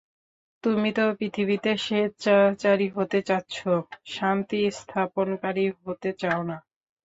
তুমি তো পৃথিবীতে স্বেচ্ছাচারী হতে চাচ্ছ, শান্তি স্থাপনকারী হতে চাও না।